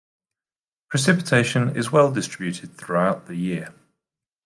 Precipitation is well distributed throughout the year.